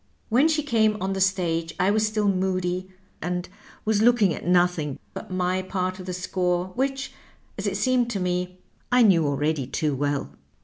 " When she came on the stage I was still moody, and was looking at nothing but my part of the score, which, as it seemed to me, I knew already too well.